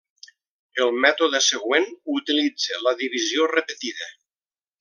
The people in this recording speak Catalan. El mètode següent utilitza la divisió repetida.